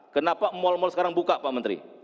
kenapa mal mal sekarang buka pak menteri